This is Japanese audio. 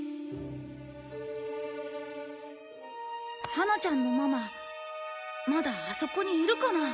ハナちゃんのママまだあそこにいるかな？